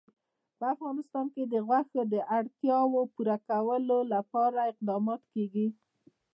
په افغانستان کې د غوښې د اړتیاوو پوره کولو لپاره اقدامات کېږي.